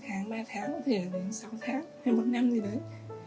ba tháng có thể là đến sáu tháng hay một năm gì đấy